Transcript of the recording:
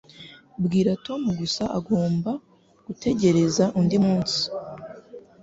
Bwira Tom gusa agomba gutegereza undi munsi.